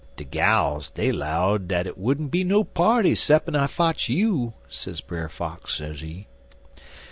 De gals, dey 'lowed dat hit wouldn't be no party 'ceppin' I fotch you,' sez Brer Fox, sezee.